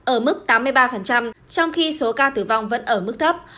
ở mức tám mươi ba trong khi số ca tử vong vẫn ở mức thấp